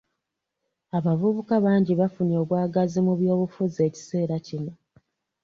Abavubuka bangi bafunye obwagazi mu by'obufuzi ekiseera kino.